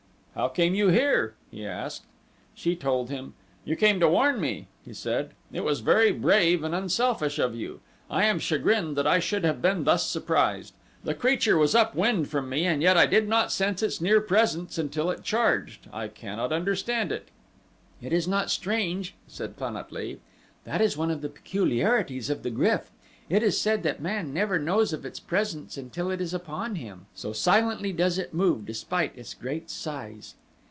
"How came you here?" he asked. She told him. "You came to warn me!" he said. "It was very brave and unselfish of you. I am chagrined that I should have been thus surprised. The creature was up wind from me and yet I did not sense its near presence until it charged. I cannot understand it." "It is not strange," said Pan at lee. "That is one of the peculiarities of the GRYF it is said that man never knows of its presence until it is upon him so silently does it move despite its great size."